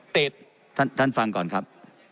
ท่านฟังก่อนครับ